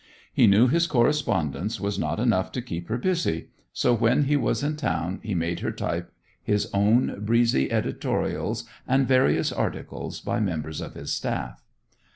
He knew his correspondence was not enough to keep her busy, so when he was in town he made her type his own breezy editorials and various articles by members of his staff.